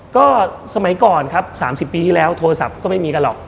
ก็สมัยก่อนครับ๓๐ปีที่แล้วโทรศัพท์ก็ไม่มีกันหรอก